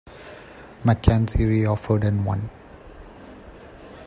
MacKenzie re-offered and won.